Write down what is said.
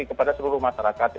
kepada seluruh masyarakat